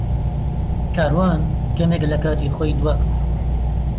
کاروان کەمێک لە کاتی خۆی دواکەوتووە.